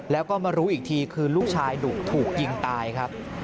แล้วก็มารู้อีกทีคือลูกชายดุถูกยิงตายครับ